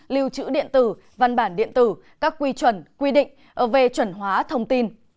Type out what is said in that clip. lưu trữ điện tử văn bản điện tử các quy chuẩn quy định về chuẩn hóa thông tin